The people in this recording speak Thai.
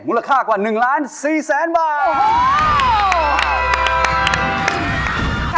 ค่ากว่า๑ล้าน๔แสนบาท